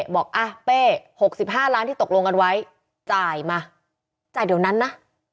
บอกอ่ะเป้๖๕ล้านที่ตกลงกันไว้จ่ายมาจ่ายเดี๋ยวนั้นนะ